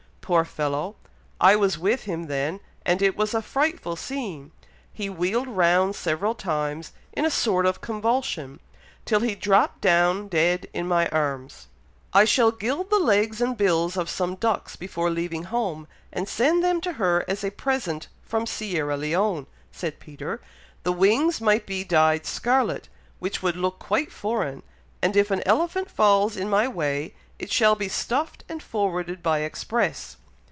Poor fellow! I was with him then, and it was a frightful scene. He wheeled round several times, in a sort of convulsion, till he dropped down dead in my arms." "I shall gild the legs and bills of some ducks before leaving home, and send them to her as a present from Sierra Leone," said Peter. "The wings might be died scarlet, which would look quite foreign; and if an elephant falls in my way, it shall be stuffed and forwarded by express."